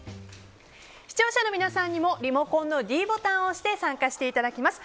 視聴者の皆さんにもリモコンのｄボタンを押して参加していただきます。